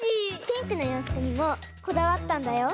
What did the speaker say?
ピンクのようふくにもこだわったんだよ。